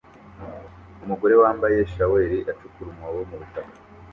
Umugore wambaye shaweli acukura umwobo mu butaka